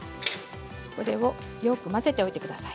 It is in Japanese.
これをよく混ぜておいてください。